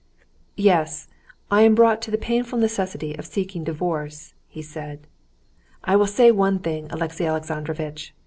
"Yes, I am brought to the painful necessity of seeking a divorce," he said. "I will say one thing, Alexey Alexandrovitch.